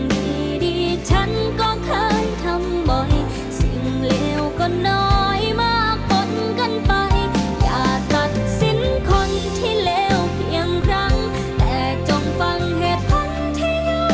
เพราะคนที่ท่าคิดว่าดีว่าใช่